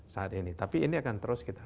saat ini tapi ini akan terus kita